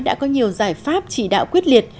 đã có nhiều giải pháp chỉ đạo quyết liệt